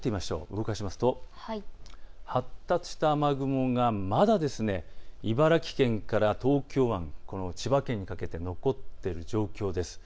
動かしますと発達した雨雲がまだ茨城県から東京湾、千葉県にかけて残っている状況です。